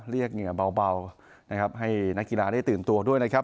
เรียกเหงื่อเบานะครับให้นักกีฬาได้ตื่นตัวด้วยนะครับ